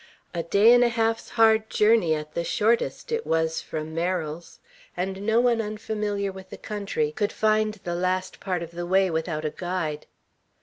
A day and a half's hard journey, at the shortest, it was from Merrill's; and no one unfamiliar with the country could find the last part of the way without a guide.